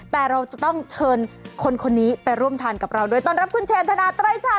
แต่เราจะต้องเชิญคนคนนี้ไปร่วมทานกับเราด้วยต้อนรับคุณเชนธนาไตรชา